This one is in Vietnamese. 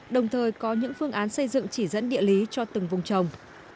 đồng thời có những phương án xây dựng chỉ dẫn địa lý cho từng vùng trồng